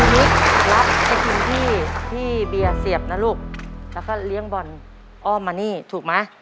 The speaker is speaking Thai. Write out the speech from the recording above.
นิดรับไปกินที่ที่เบียร์เสียบนะลูกแล้วก็เลี้ยงบอลอ้อมมานี่ถูกไหม